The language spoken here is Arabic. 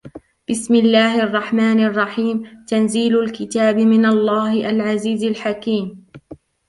بسم الله الرحمن الرحيم تنزيل الكتاب من الله العزيز الحكيم